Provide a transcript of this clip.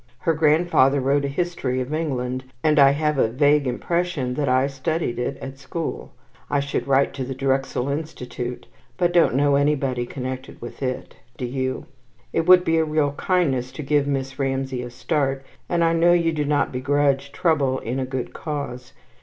Her grandfather wrote a history of England, and I have a vague impression that I studied it at school. I should write to the Drexel Institute, but don't know anybody connected with it. Do you? It would be a real kindness to give Miss Ramsay a start, and I know you do not begrudge trouble in a good cause.